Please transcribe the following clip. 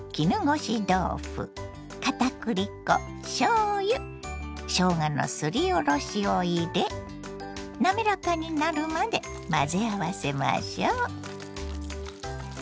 豆腐かたくり粉しょうゆしょうがのすりおろしを入れ滑らかになるまで混ぜ合わせましょ。